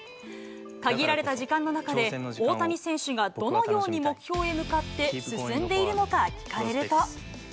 限られた時間の中で、大谷選手がどのように目標へ向かって進んでいるのか聞かれると。